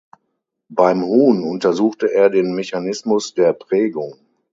Beim Huhn untersuchte er den Mechanismus der Prägung.